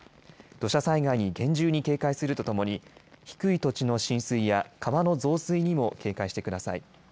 土砂災害に厳重に警戒するとともに低い土地の浸水や川の増水にも警戒してください。